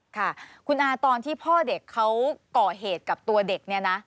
ค่ะคุณอาตอนที่พ่อเด็กเขาก่อเหตุกับตัวเด็กเนี่ยนะ